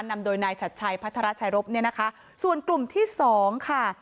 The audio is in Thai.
นำโดยนายชัดชัยพัทรชัยรบเนี่ยนะคะส่วนกลุ่มที่สองค่ะ